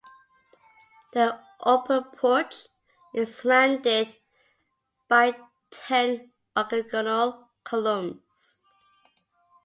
The open porch is surrounded by ten octagonal columns.